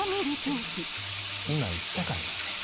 今言ったかんな？